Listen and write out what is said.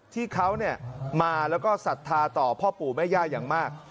ที่เขามาแล้วก็ศรัทธาต่อพ่อปู่แม่ย่าอย่างมาก